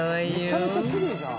「めちゃめちゃキレイじゃん」